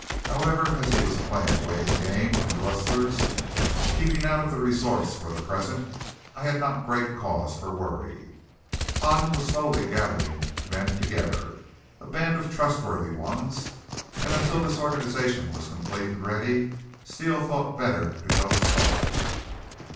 However, as he was playing a waiting game on the rustlers, keeping out of the resorts for the present, I had not great cause for worry. Hoden was slowly gathering men together, a band of trustworthy ones, and until this organization was complete and ready, Steele thought better to go slow.